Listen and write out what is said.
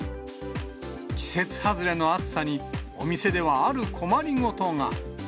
季節外れの暑さに、お店ではある困りごとが。